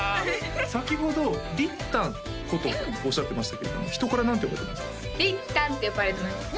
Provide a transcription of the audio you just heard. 先ほど「りったんこと」とおっしゃってましたけれども人から何て呼ばれてます？